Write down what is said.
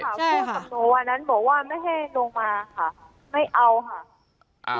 พูดกับหนูอันนั้นบอกว่าไม่ให้ลงมาค่ะไม่เอาค่ะ